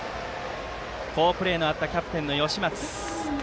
好プレーのあったキャプテンの吉松です。